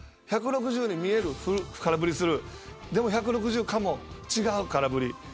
１６０に見える空振りをするでも１６０かも、違う、空振り。